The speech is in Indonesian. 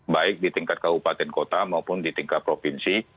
baik di tingkat kabupaten kota maupun di tingkat provinsi